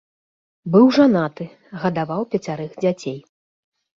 Быў жанаты, гадаваў пяцярых дзяцей.